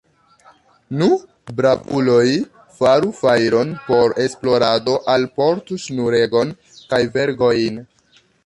Nu, bravuloj, faru fajron por esplorado, alportu ŝnuregon kaj vergojn!